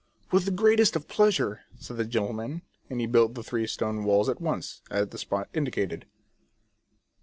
" With the greatest of pleasure," said the gentleman ; and he built the three stone walls at once, at the spot indicated.